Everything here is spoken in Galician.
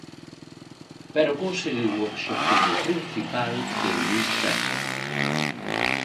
Pero conseguiu o obxectivo principal de Luís César.